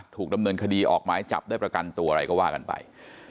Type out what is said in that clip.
ถูกดำเนินคดีออกหมายจับได้ประกันตัวอะไรก็ว่ากันไป